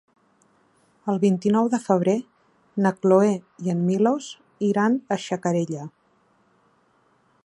El vint-i-nou de febrer na Cloè i en Milos iran a Xacarella.